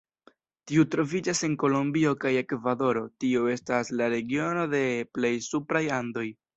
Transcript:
Tiu troviĝas en Kolombio kaj Ekvadoro, tio estas la regiono de plej supraj Andoj.